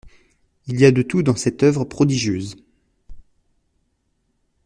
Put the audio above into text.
Il y a de tout dans cette oeuvre prodigieuse.